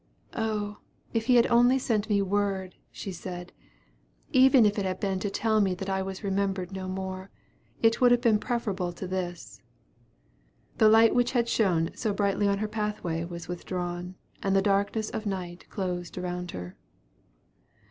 "O, if he had only sent me one word," she said; "even if it had been to tell me that I was remembered no more, it would have been preferable to this." The light which had shone so brightly on her pathway was withdrawn, and the darkness of night closed around her.